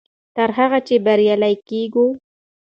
تر هغه چې بریالي کېږو.